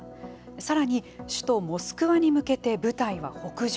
さらに、首都モスクワに向けて部隊は北上。